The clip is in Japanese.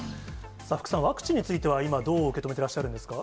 福さん、ワクチンについては今、どう受け止めてらっしゃるんですか？